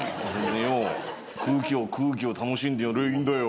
空気を楽しんでやりゃあいいんだよ。